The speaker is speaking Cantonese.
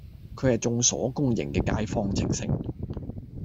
佢係眾所公認嘅街坊情聖